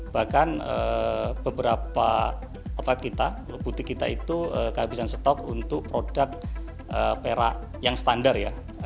bahkan beberapa outlet kita putih kita itu kehabisan stok untuk produk perak yang standar ya